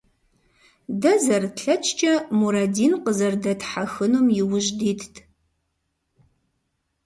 Дэ, зэрытлъэкӀкӀэ, Мурэдин къызэрыдэтхьэхынум иужь дитт.